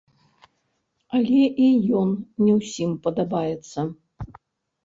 Але і ён не ўсім падабаецца.